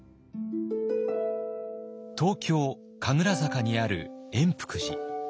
東京・神楽坂にある圓福寺。